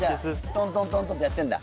トントントントンってやってんだ